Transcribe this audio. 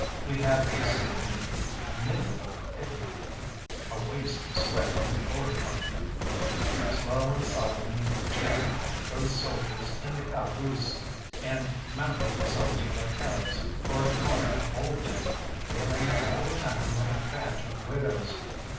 We had a sickening miserable picnic, a waste of sweat and oratory. Slow and solemn we gaoled up those soldiers in the calaboose, and mounted the sulky vaqueros for a guard to hold them, feeling all the time like a batch of widows.